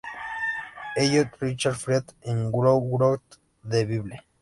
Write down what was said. Elliott Richard Friedman, en "Who wrote the Bible?